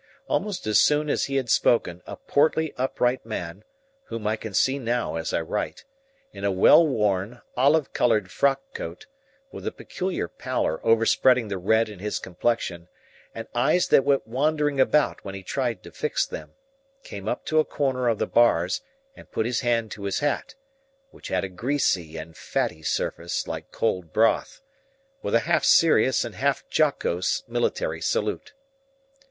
Almost as soon as he had spoken, a portly upright man (whom I can see now, as I write) in a well worn olive coloured frock coat, with a peculiar pallor overspreading the red in his complexion, and eyes that went wandering about when he tried to fix them, came up to a corner of the bars, and put his hand to his hat—which had a greasy and fatty surface like cold broth—with a half serious and half jocose military salute.